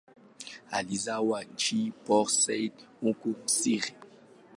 Alizaliwa mjini Port Said, huko Misri.